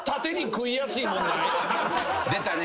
出たね。